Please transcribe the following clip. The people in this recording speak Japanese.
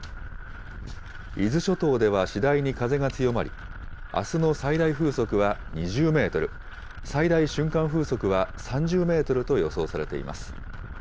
伊豆諸島では次第に風が強まり、あすの最大風速は２０メートル、最大瞬間風速は３０メートルと予想されています。